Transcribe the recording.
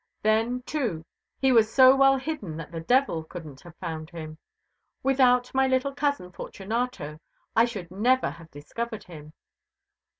Then, too, he was so well hidden that the devil couldn't have found him. Without my little cousin, Fortunato, I should never have discovered him."